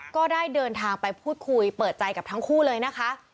ก็ได้เดินทางไปพูดคุยเปิดใจกับทั้งคู่เลยนะคะ